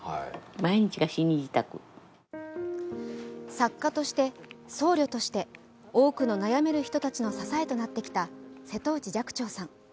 作家として僧侶として多くの悩める人たちの支えとなってきた瀬戸内寂聴さん。